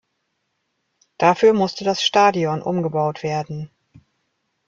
Dafür musste das Stadion umgebaut werden.